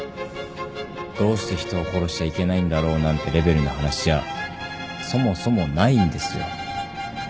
「どうして人を殺しちゃいけないんだろう」なんてレベルの話じゃそもそもないんですよ。